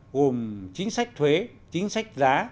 gồm chính sách thuế chính sách giá